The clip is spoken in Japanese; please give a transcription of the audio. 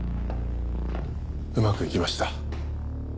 うまくいきました。